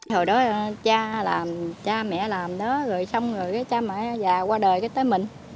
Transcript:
hồi đó cha làm cha mẹ làm đó rồi xong rồi cha mẹ già qua đời tới mình